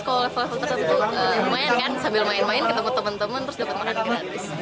kalau level level tertentu lumayan kan sambil main main ketemu temen temen terus dapat makan gratis